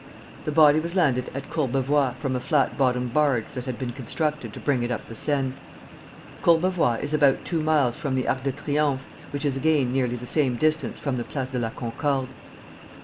The body was landed at Courbevoie from a flat bottomed barge that had been constructed to bring it up the Seine. Courbevoie is about two miles from the Arch of Triumph, which is again nearly the same distance from the Place de la Concorde.